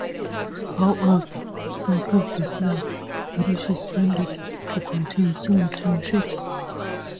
However, south of this line, parishes tended to contain single townships.